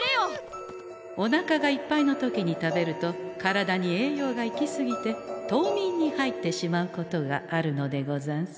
おなかがいっぱいの時に食べると体に栄養が行き過ぎて冬眠に入ってしまうことがあるのでござんす。